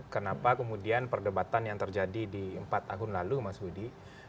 kenapa kemudian perdebatan yang terjadi di empat tahun lalu mas budi